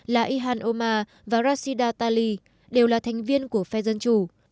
là ihan omar và rashida talley đều là thành viên của phe dân chủ